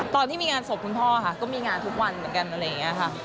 ตอนที่มีงานศพคุณพ่อค่ะก็มีงานทุกวันเหมือนกัน